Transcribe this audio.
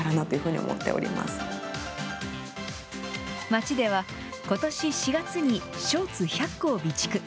町では、ことし４月にショーツ１００個を備蓄。